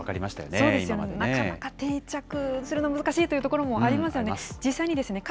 そうですよね、なかなか定着するのは難しいというところもありますよね。